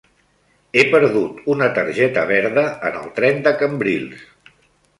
He perdut una targeta verda en el tren de Cambrils.